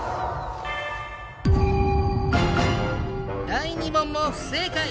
第２問も不正解。